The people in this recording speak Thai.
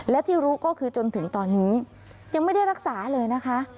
และที่รู้ก็คือจนถึงตอนนี้ยังไม่ได้รักษาเลยนะคะ